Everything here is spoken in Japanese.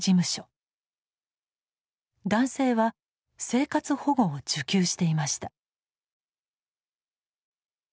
男性は生活保護を受給していました。